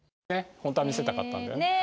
本当は見せたかったんだよね。